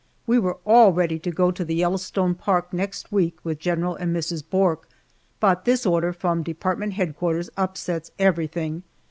We were all ready to go to the Yellowstone Park next week with General and Mrs. Bourke, but this order from Department Headquarters upsets everything.